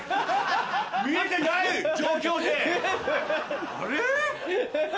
見えてない状況で！